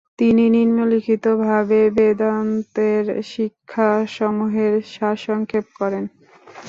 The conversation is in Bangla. তিনি নিম্নলিখিতভাবে বেদান্তের শিক্ষাসমূহের সারসংক্ষেপ করেন